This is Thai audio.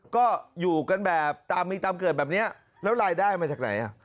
ก็อยู่กันแบบตามมีตามเกิดแบบนี้แล้วรายได้มาจากไหนอ่ะ